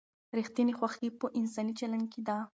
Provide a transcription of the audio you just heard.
ریښتینې خوښي په انساني چلند کې ده.